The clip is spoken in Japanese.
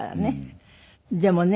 でもね